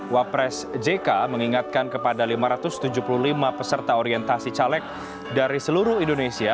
wapres jk mengingatkan kepada lima ratus tujuh puluh lima peserta orientasi caleg dari seluruh indonesia